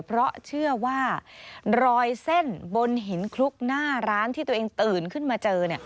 เพราะเชื่อว่ารอยเส้นบนหินคลุกหน้าร้านที่ตัวเองตื่นขึ้นมาเจอ